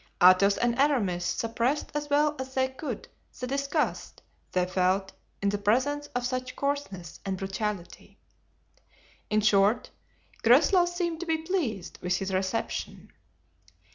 Athos and Aramis suppressed as well as they could the disgust they felt in the presence of such coarseness and brutality. In short, Groslow seemed to be pleased with his reception.